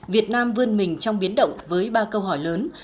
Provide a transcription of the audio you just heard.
việt nam vươn mình trong biến động với ba câu hỏi lớn